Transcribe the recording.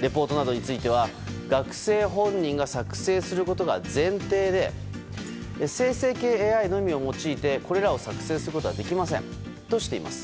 レポートなどについては学生本人が作成することが前提で生成系ＡＩのみを用いてこれらを作成することはできませんとしています。